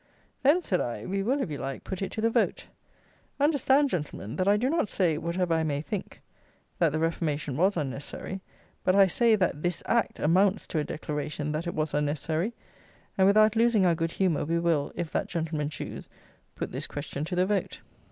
"Then," said I, "we will, if you like, put it to the vote. Understand, gentlemen, that I do not say, whatever I may think, that the Reformation was unnecessary; but I say that this act amounts to a declaration that it was unnecessary; and, without losing our good humour, we will, if that gentleman choose, put this question to the vote."